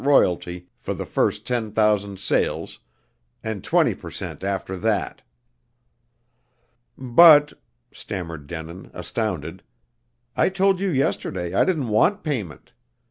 royalty for the first ten thousand sales, and twenty per cent. after that?" "But," stammered Denin, astounded. "I told you yesterday I didn't want payment.